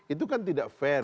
itu kan tidak fair